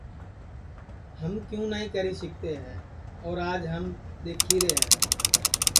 ہم کیوں نائی کری سِکتے ہے اور آج ہم دِکھی رے ہے